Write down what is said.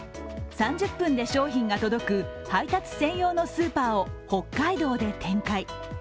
３０分で商品が届く配達専用のスーパーを北海道で展開。